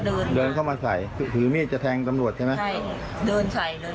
เดินเดินเข้ามาใส่ถือเหมียจะแทงสำหรับใช่ไหมใช่